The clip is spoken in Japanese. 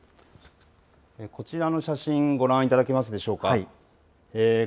こちらの写真、ご覧いただけますでしょうか。